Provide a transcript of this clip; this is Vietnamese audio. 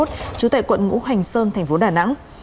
trú tại quận ngũ hành sơn thành phố đà nẵng